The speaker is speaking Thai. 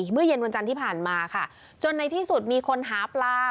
เมื่อเย็นวันจันทร์ที่ผ่านมาค่ะจนในที่สุดมีคนหาปลา